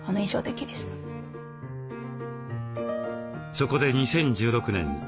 そこで２０１６年